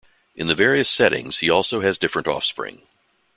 In the various settings, he also has different offspring.